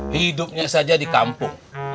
hidupnya saja di kampung